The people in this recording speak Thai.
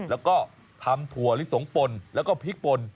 แล้วก็ทำถั่วลิสงปนแล้วก็พริกป่น